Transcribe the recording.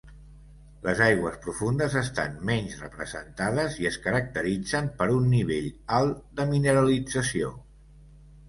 Les aigües profundes estan menys representades i es caracteritzen per un nivell alt de mineralització.